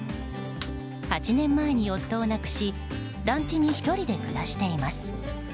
８年前に夫を亡くし団地に１人で暮らしています。